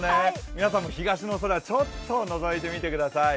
皆さんも東の空、ちょっとのぞいてみてください。